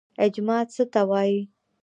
اجماع څه ته وایي؟